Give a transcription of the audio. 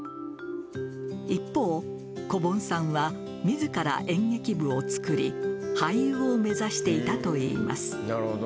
一方こぼんさんは自ら演劇部を作り俳優を目指していたといいます